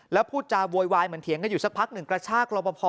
แล้วพูดจาโวยวายเหมือนเถียงกันอยู่สักพักหนึ่งกระชากรอบพอ